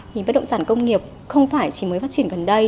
thì bất động sản công nghiệp không phải chỉ mới phát triển gần đây